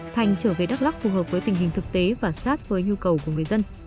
thành trở về đắk lắc phù hợp với tình hình thực tế và sát với nhu cầu của người dân